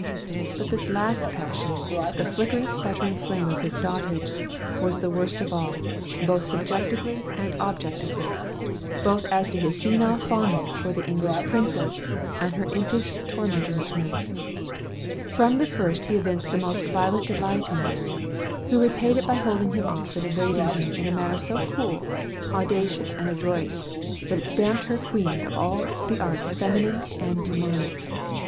But this last passion the flickering, sputtering flame of his dotage was the worst of all, both subjectively and objectively; both as to his senile fondness for the English princess and her impish tormenting of him. From the first he evinced the most violent delight in Mary, who repaid it by holding him off and evading him in a manner so cool, audacious and adroit that it stamped her queen of all the arts feminine and demoniac.